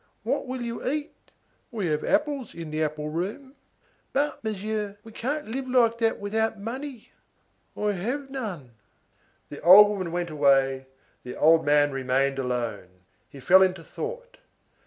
"What will you eat?" "We have apples in the apple room." "But, Monsieur, we can't live like that without money." "I have none." The old woman went away, the old man remained alone. He fell into thought.